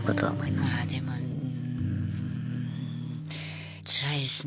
まあでもうんつらいですね。